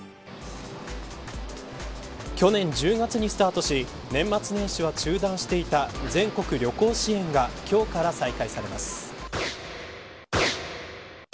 去年１０月にスタートし年末年始は中断していた全国旅行支援が今日から再開されます。